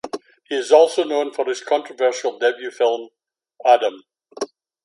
He is also known for his controversial debut feature film "Adam".